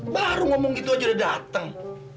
baru ngomong gitu aja udah datang